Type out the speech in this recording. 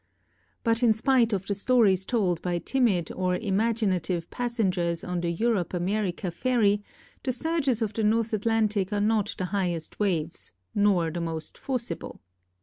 But in spite of the stories told by timid or imaginative passengers on the Europe America ferry, the surges of the North Atlantic are not the highest waves nor the most forcible.